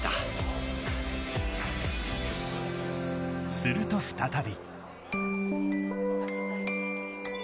すると、再び。